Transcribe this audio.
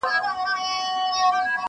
له مرغکیو به وي هیري مورنۍ سندري،